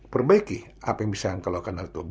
perbaiki apa yang bisa anda lakukan